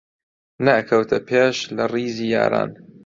نەئەکەوتە پێش لە ڕیزی یاران